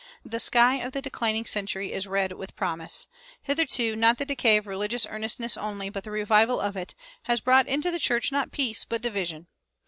The sky of the declining century is red with promise. Hitherto, not the decay of religious earnestness only, but the revival of it, has brought into the church, not peace, but division.